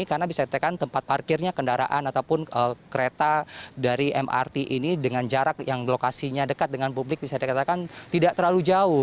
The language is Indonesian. karena bisa dikatakan tempat parkirnya kendaraan ataupun kereta dari mrt ini dengan jarak yang lokasinya dekat dengan publik bisa dikatakan tidak terlalu jauh